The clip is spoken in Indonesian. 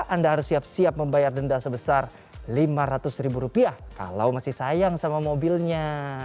anda harus siap siap membayar denda sebesar lima ratus ribu rupiah kalau masih sayang sama mobilnya